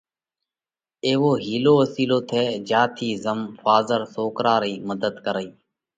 ايوو هِيلو وسِيلو ٿئہ جيا ٿِي زم ڦازر سوڪرا رئِي مڌت ڪرئي